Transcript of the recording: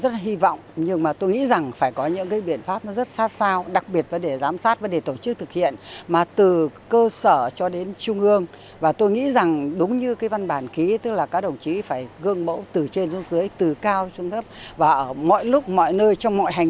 thời gian tới bộ chính trị trung ương sẽ tiếp tục có những chỉ đạo sát sao kịp thời để các cấp ngành triển khai có hiệu quả quy định này